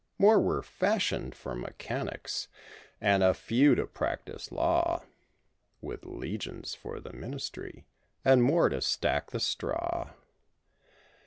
More were fashioned for mechanics and a few to practice law. With legions for the ministry and more to stack the straw.